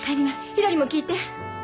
ひらりも聞いて。